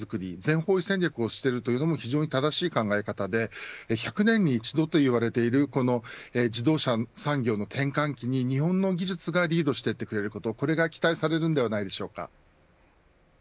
全方位戦略をしているというのも非常に正しい考え方で１００年に一度と言われているこの自動車の産業の転換期に日本の技術がリードしていってくれることこれが期待されるのではないでしょうか。